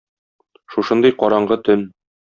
Шушындый караңгы төн.